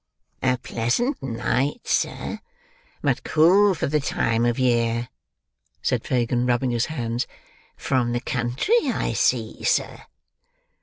"A pleasant night, sir, but cool for the time of year," said Fagin, rubbing his hands. "From the country, I see, sir?"